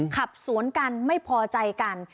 ขับสวนกันไม่พอใจกัน